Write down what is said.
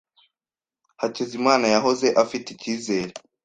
Hakizimana yahoze afite icyizere.